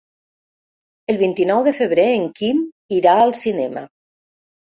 El vint-i-nou de febrer en Quim irà al cinema.